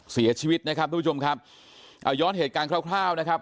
เสียชีวิตนะครับทุกผู้ชมครับเอาย้อนเหตุการณ์คร่าวคร่าวนะครับ